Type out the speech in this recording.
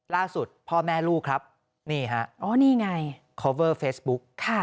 ล่าสุดพ่อแม่ลูกครับนี่ฮะอ๋อนี่ไงคอเวอร์เฟซบุ๊ก